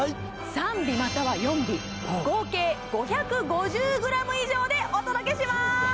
３尾または４尾合計５５０ｇ以上でお届けします